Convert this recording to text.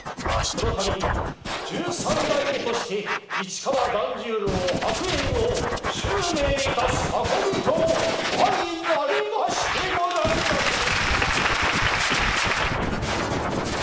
このたび十三代目として、市川團十郎白猿を襲名いたす運びと相成りましてござりまする。